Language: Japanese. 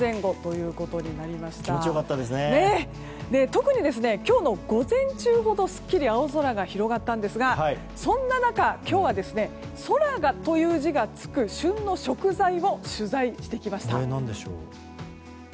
特に今日の午前中ほどすっきり青空が広がったんですがそんな中、今日は「空」という字がつく旬の食材を取材してきました。